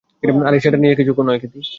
আরে সেটা কিছু নয় ক্যাথি।